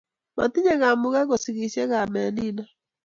Matinye kamuke kusikisio kamet nino